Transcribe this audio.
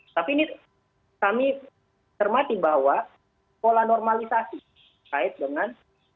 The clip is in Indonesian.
tapi ini kami termati bahwa pola normalisasi kait dengan